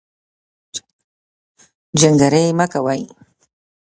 جنګرې مۀ کوئ